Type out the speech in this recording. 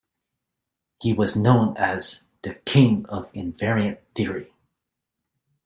He was known as "the king of invariant theory".